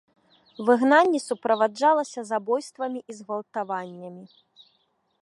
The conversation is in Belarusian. Выгнанне суправаджалася забойствамі і згвалтаваннямі.